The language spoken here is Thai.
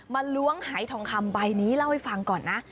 ล้วงหายทองคำใบนี้เล่าให้ฟังก่อนนะ